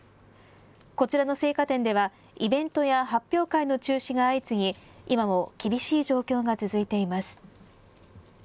こちらの生花店ではイベントや発表会の中止が相次ぎ今も厳しい状況が続いています。